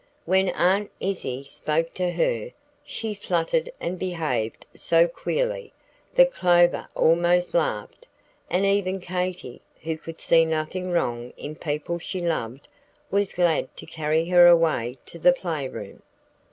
When Aunt Izzie spoke to her, she fluttered and behaved so queerly, that Clover almost laughed; and even Katy, who could see nothing wrong in people she loved, was glad to carry her away to the playroom.